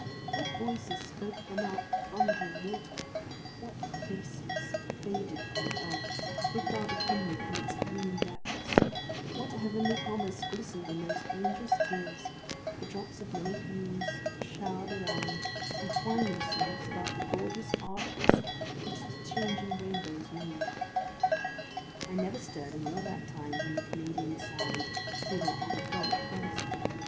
What voices spoke from out the thundering water; what faces, faded from the earth, looked out upon me from its gleaming depths; what Heavenly promise glistened in those angels' tears, the drops of many hues, that showered around, and twined themselves about the gorgeous arches which the changing rainbows made! I never stirred in all that time from the Canadian side, whither I had gone at first.